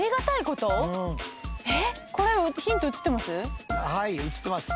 これヒント映ってます？